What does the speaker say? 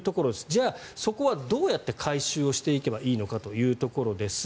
じゃあ、そこはどうやって改修していけばいいのかというところです。